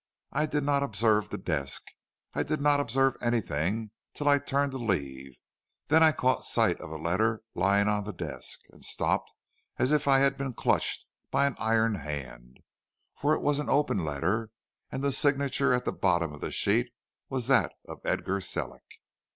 I did not observe the desk; I did not observe anything till I turned to leave; then I caught sight of a letter lying on the desk, and stopped as if I had been clutched by an iron hand, for it was an open letter, and the signature at the bottom of the sheet was that of Edgar Sellick.